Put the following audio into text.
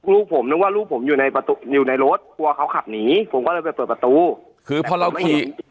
ลูกผมนึกว่าลูกผมอยู่ในประตูอยู่ในรถกลัวเขาขับหนีผมก็เลยไปเปิดประตูคือพอเราขี่